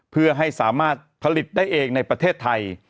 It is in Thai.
เพื่อให้สามารถผลิตได้เองในประเทศไทย